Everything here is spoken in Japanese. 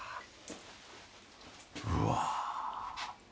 うわ！